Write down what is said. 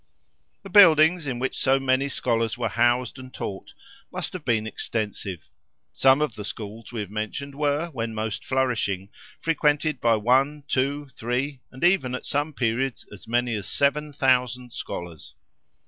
The buildings, in which so many scholars were housed and taught, must have been extensive. Some of the schools we have mentioned were, when most flourishing, frequented by one, two, three, and even, at some periods, as many as seven thousand scholars.